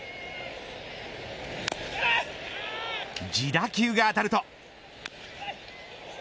自打球が当たると。